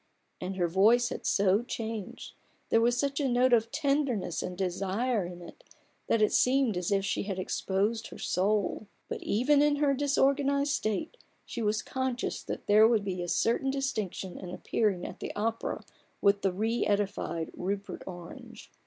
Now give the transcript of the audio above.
— and her voice had so changed, THE BARGAIN OF RUPERT ORANGE. 33 there was such a note of tenderness and desire in it, that it seemed as if she had exposed her soul. But even in her dis organized state she was conscious that there would be a certain distinction in appearing at the opera with the re edified Rupert Orange.